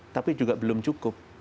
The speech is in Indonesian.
tapi juga belum cukup